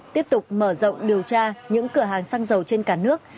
tiếp tục mở rộng điều tra những cửa hàng xăng dầu trên cả nước